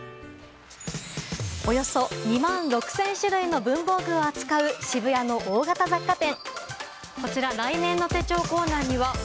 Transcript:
およそ２万６０００種類の文房具を扱う渋谷の大型雑貨店。